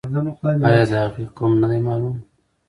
آیا د هغې قوم نه دی معلوم؟